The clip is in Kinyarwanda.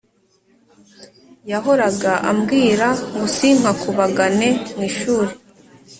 yahoraga ambwira ngo sinkakubagane mu ishuri